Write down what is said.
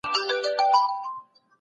حقوق الله بايد په پام کي ونيول سي.